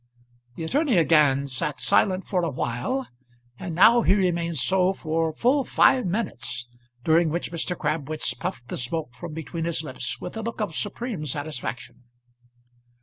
The attorney again sat silent for a while, and now he remained so for full five minutes, during which Mr. Crabwitz puffed the smoke from between his lips with a look of supreme satisfaction.